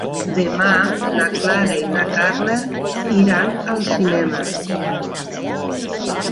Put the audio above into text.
Demà na Clara i na Carla iran al cinema.